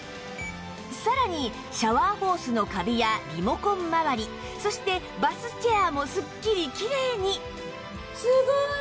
さらにシャワーホースのカビやリモコン周りそしてバスチェアもスッキリきれいに